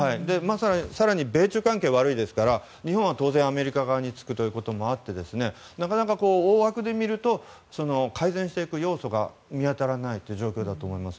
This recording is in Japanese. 更に米中関係が悪いですから日本は当然、アメリカ側につくというのがあってなかなか大枠で見ると改善していく要素が見当たらないという状況だと思います。